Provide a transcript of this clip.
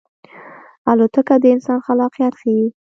الوتکه د انسان خلاقیت ښيي.